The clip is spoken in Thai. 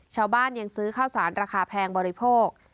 ชาวบ้านยังซื้อข้าวสารราคาแพงบริโภค